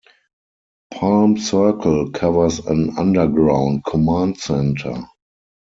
Palm Circle covers an underground command center.